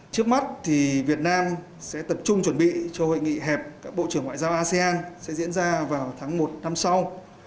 trước mắt thì việt nam sẽ tập trung chuẩn bị cho hội nghị hẹp các bộ trưởng ngoại giao asean sẽ diễn ra vào tháng một năm sau